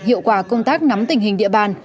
hiệu quả công tác nắm tình hình địa bàn